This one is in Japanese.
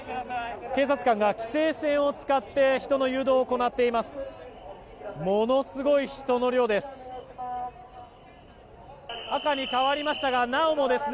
警察官が規制線を使って人の誘導を行っています。